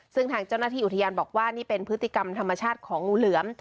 ซึ่งทางเจ้าหน้าที่อุทยานบอกว่านี่เป็นพฤติกรรมธรรมชาติของงูเหลือม